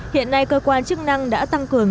hiện nay cơ quan chức năng đã tăng cường